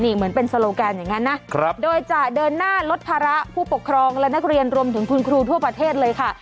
เหมือนเป็นโซโลแกนอย่างนั้นนะโดยจะเดินหน้าลดภาระผู้ปกครองและนักเรียนรวมถึงคุณครูทั่วประเทศเลยค่ะ